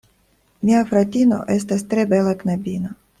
Mia fratino estas tre bela knabino.